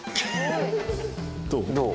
どう？